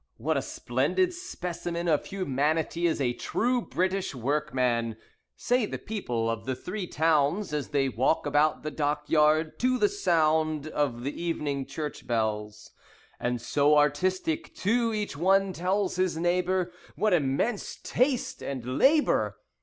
What a splendid specimen of humanity is a true British workman, Say the people of the Three Towns, As they walk about the dockyard To the sound of the evening church bells. And so artistic, too, each one tells his neighbour. What immense taste and labour!